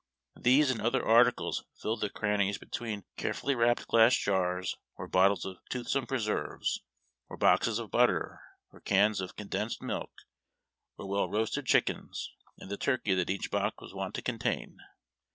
These and other articles filled the crannies between carefully wrapped glass jars or bottles of toothsome preserves, or boxes of butter, or cans of condensed milk or well roasted chickens, and the turkey that each box was wont to contain.